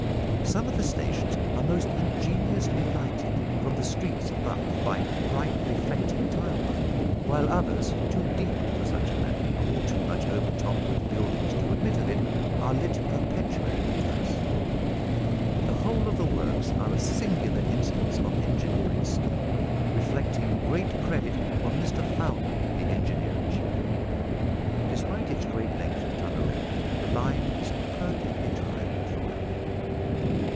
Some of the stations are most ingeniously lighted from the streets above by bright reflecting tile work, while others, too deep for such a method, or too much overtopped with buildings to admit of it, are lit perpetually with gas. The whole of the works are a singular instance of engineering skill, reflecting great credit on Mr Fowler, the engineer in chief. Despite its great length of tunnelling the line is perfectly dry throughout.